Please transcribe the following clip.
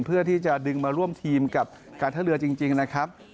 เพื่อที่จะดึงมาร่วมทีมกับการท่าเรือจริงนะครับ